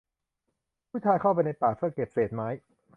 ผู้ชายเข้าไปในป่าเพื่อเก็บเศษไม้